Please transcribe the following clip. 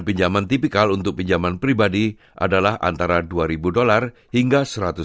pembelian tipikal untuk pinjaman pribadi adalah antara dua hingga seratus